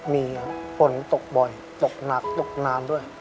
มีครับฝนตกบ่อยตกหนักตกนานด้วย